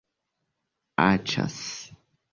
Aĉas.